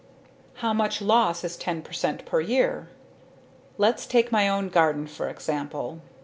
How much loss is 10 percent per year? Let's take my own garden for example.